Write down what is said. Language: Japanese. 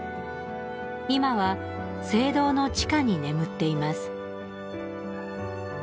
今は聖堂の地下に眠っています。